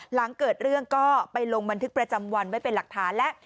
หลังเกิดเรื่องก็ไปลงบันทึกประจำวันไว้เป็นหลักฐานแล้ว